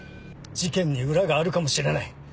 事件に裏があるかもしれない。